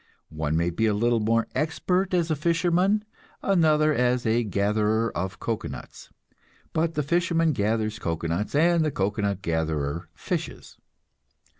One may be a little more expert as a fisherman, another as a gatherer of cocoanuts, but the fisherman gathers cocoanuts and the cocoanut gatherer fishes.